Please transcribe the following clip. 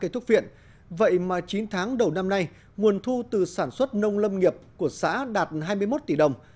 thuốc viện vậy mà chín tháng đầu năm nay nguồn thu từ sản xuất nông lâm nghiệp của xã đạt hai mươi một tỷ đồng